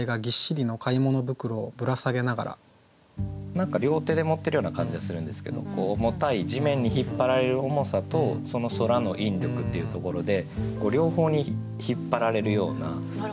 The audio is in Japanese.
何か両手で持ってるような感じがするんですけど重たい地面に引っ張られる重さとその空の引力っていうところで両方に引っ張られるような背筋が伸びるような。